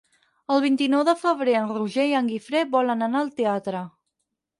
El vint-i-nou de febrer en Roger i en Guifré volen anar al teatre.